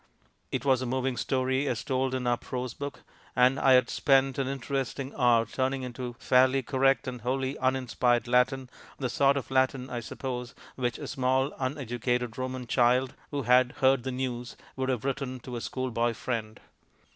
It was a moving story as told in our prose book, and I had spent an interesting hour turning into fairly correct and wholly uninspired Latin the sort of Latin I suppose which a small uneducated Roman child (who had heard the news) would have written to a school boy friend.